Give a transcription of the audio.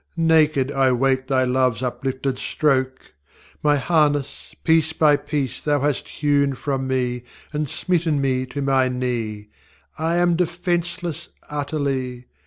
ŌĆÖ Naked I wait Thy loveŌĆÖs uplifted stroke! My harness piece by piece Thou hast hewn from me, And smitten me to my knee; I am defenceless utterly.